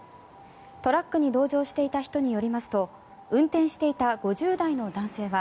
トラックに同乗していた人によりますと運転していた５０代の男性は